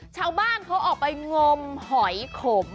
ชาวบ้านเขาออกไปงมหอยขม